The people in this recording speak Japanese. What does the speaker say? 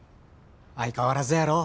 相変わらずやろ？